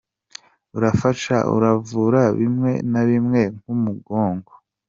Urafasha, uravura bimwe na bimwe nk’umugongo.